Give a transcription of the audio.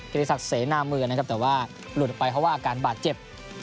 กิจิศักดิ์เสนามือนะครับแต่ว่าหลุดออกไปเพราะว่าอาการบาดเจ็บ